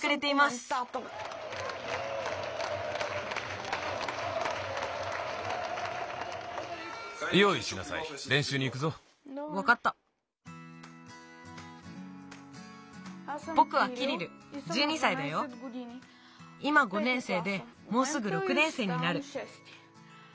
いま５年生でもうすぐ６年生になる。